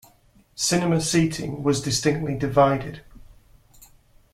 Cinema seating was distinctly divided.